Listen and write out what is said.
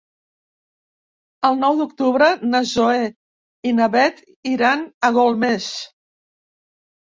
El nou d'octubre na Zoè i na Bet iran a Golmés.